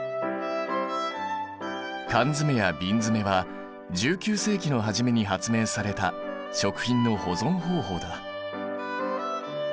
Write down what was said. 缶詰やびん詰は１９世紀の初めに発明された食品の保存方法だ。